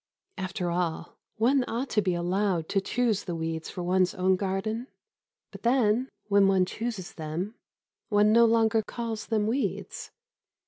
After all, one ought to be allowed to choose the weeds for one's own garden. But then when one chooses them, one no longer calls them weeds.